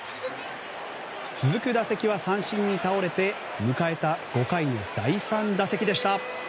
続く打席は三振に倒れて迎えた５回の第３打席でした。